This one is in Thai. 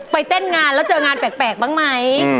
ไปเต้นงานแล้วเจอกันงานแปลกบ้างมั้ย